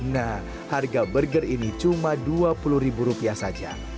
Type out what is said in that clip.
nah harga burger ini cuma dua puluh ribu rupiah saja